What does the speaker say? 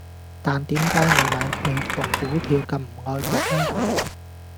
但點解你買美國股票咁唔愛國呢